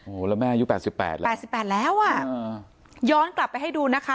โอ้โหแล้วแม่อายุ๘๘แล้ว๘๘แล้วอ่ะย้อนกลับไปให้ดูนะคะ